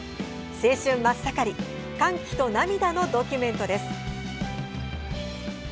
青春真っ盛り歓喜と涙のドキュメントです。